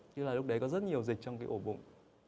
như là lúc đấy có rất nhiều dịch trong cái ổ bụng